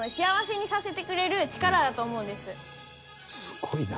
すごいな。